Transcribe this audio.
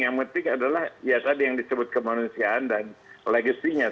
yang penting adalah yang tadi yang disebut kemanusiaan dan legasinya